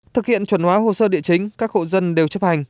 thực hiện chuẩn hóa hồ sơ địa chính các hộ dân đều chấp hành